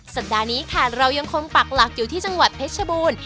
สัปดาห์นี้ค่ะเรายังคงปักหลักอยู่ที่จังหวัดเพชรบูรณ์